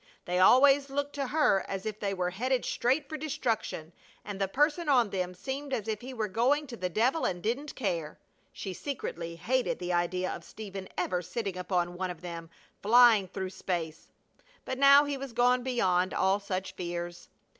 They always looked to her as if they were headed straight for destruction, and the person on them seemed as if he were going to the devil and didn't care. She secretly hated the idea of Stephen ever sitting upon one of them, flying through space. But now he was gone beyond all such fears.